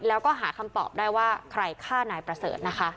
แล้วก็หาคำตอบได้ว่าใครฆ่านายประเสริฐนะคะ